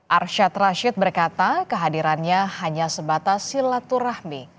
arsyad rashid berkata kehadirannya hanya sebatas silaturahmi